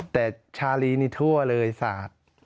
แต่ชาลีนี่ทั่วเลยสาด